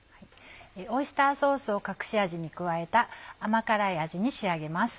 オイスターソースを隠し味に加えた甘辛い味に仕上げます。